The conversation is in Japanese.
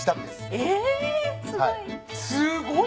えすごい。